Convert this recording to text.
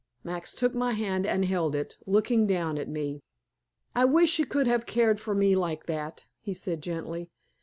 Max took my hand and held it, looking down at me. "I wish you could have cared for me like that," he said gently.